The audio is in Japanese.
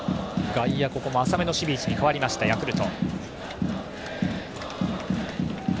外野、浅めの守備位置に変わりましたヤクルト。